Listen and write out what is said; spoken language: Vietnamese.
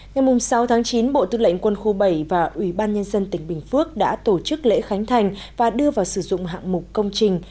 ngày sáu chín bộ tư lệnh quân khu bảy và ủy ban nhân dân tỉnh bình phước đã tổ chức lễ khánh thành và đưa vào sử dụng hạng mục công trình